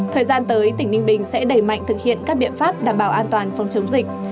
thời gian tới tỉnh ninh bình sẽ đẩy mạnh thực hiện các biện pháp đảm bảo an toàn phòng chống dịch